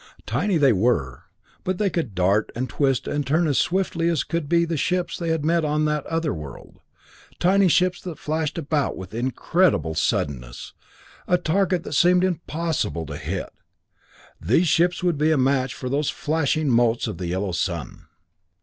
Tiny they were, but they could dart and twist and turn as swiftly as could the ships they had met on that other world tiny ships that flashed about with incredible suddenness, a target that seemed impossible to hit. These ships would be a match for those flashing motes of the Yellow Sun.